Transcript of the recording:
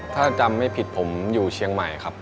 ถ้าจำไม่ผิดผมอยู่เชียงใหม่ครับ